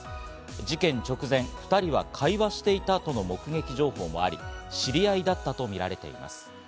事件直前、２人は会話していたとの目撃情報もあり、知り合いだったとみられています。